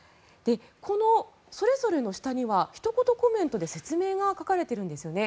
この、それぞれの下にはひと言コメントで説明が書かれているんですよね。